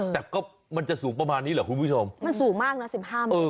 แต่มันจะสูงประมาณนี้หรือคุณผู้ชมสูงมากนะ๑๕มิตร